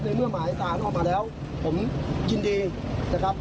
เมื่อหมายสารออกมาแล้วผมยินดีนะครับ